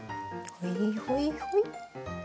ほいほいほい。